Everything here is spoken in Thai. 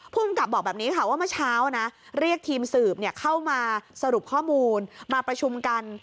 ภูมิกับบอกแบบนี้ค่ะว่าเมื่อเช้านะเรียกทีมสืบเข้ามาสรุปข้อมูลมาประชุมกัน